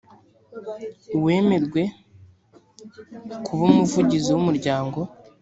uwemerwe kuba umuvugizi w umuryango